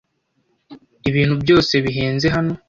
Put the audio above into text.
Ibintu byose bihenze hano.